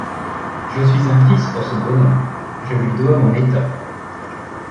Je suis un fils pour ce bonhomme, je lui dois mon état.